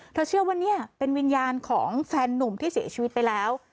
เชื่อว่าเนี่ยเป็นวิญญาณของแฟนนุ่มที่เสียชีวิตไปแล้ว